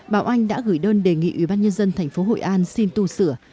bảo oanh đã gửi đơn đề nghị ủy ban nhân dân tp hội an xin tu sửa